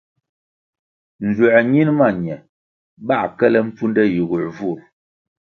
Nzuer ñin ma ñe bãh kele mpfunde yiguer vur.